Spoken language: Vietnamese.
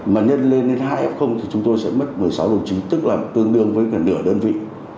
mà nhân lên đến hai f thì chúng tôi sẽ mất một mươi sáu đồng chí tức là tương đương với gần nửa đơn vị